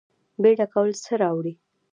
بیړه کول څه راوړي؟